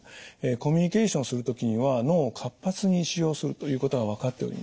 コミュニケーションする時には脳を活発に使用するということが分かっております。